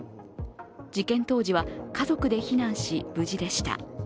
事件当時は家族で避難し、無事でした。